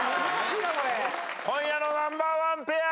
今夜のナンバーワンペアは。